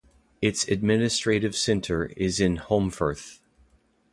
Its administrative centre is in Holmfirth.